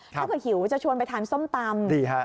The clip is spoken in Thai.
ถ้าเกิดหิวจะชวนไปทานส้มตำ